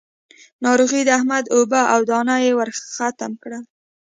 ناروغي د احمد اوبه او دانه يې ورختم کړل.